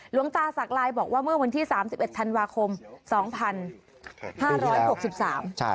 หลวงตาศักรายบอกว่าเมื่อวันที่๓๑ธันวาคม๒๕๖๓นะฮะ